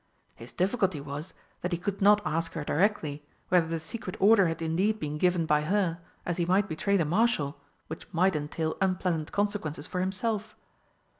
His difficulty was that he could not ask her directly whether the secret order had indeed been given by her, as he might betray the Marshal, which might entail unpleasant consequences for himself.